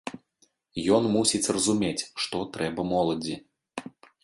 Ён мусіць разумець, што трэба моладзі.